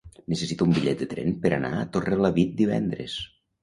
Necessito un bitllet de tren per anar a Torrelavit divendres.